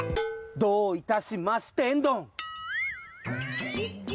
どういたしましてんどん！